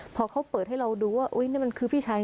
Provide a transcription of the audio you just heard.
พอเขาเปิดให้เราดูว่านี่มันคือพี่ชาย